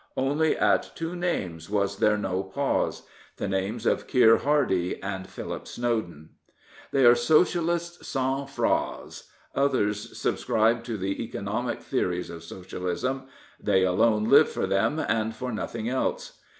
Only at two names was there no pause — the names of Keir Hardie and Philip Snowden. 277 Prophets, Priests, and Kings They are Socialists sans phrase. Others subscribe to the economic theories of Socialism, They alone live for them and for nothing else.